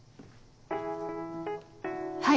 はい。